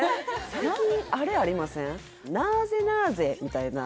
最近あれありません？